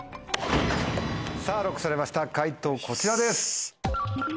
さぁＬＯＣＫされました解答こちらです。